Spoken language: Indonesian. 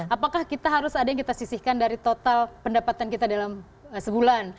apakah kita harus ada yang kita sisihkan dari total pendapatan kita dalam sebulan